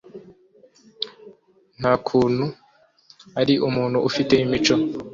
Nta kuntu ari umuntu ufite imico.